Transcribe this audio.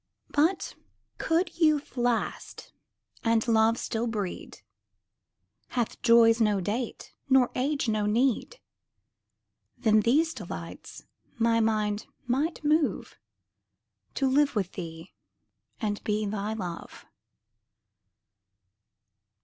But could youth last, and love still breed, Had joys no date, nor age no need, Then these delights my mind might move To live with thee and be thy love.